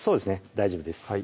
大丈夫です